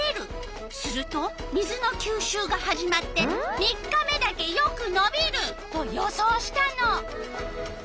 すると水のきゅうしゅうが始まって３日目だけよくのびると予想したの。